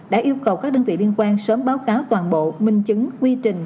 đã yêu cầu các đơn vị liên quan sớm báo cáo toàn bộ minh chứng quy trình